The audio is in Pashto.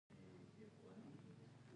ایا خوشحالي مو خوښیږي؟